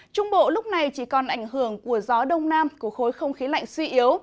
trung bộ lúc này chỉ còn ảnh hưởng của gió đông nam của khối không khí lạnh suy yếu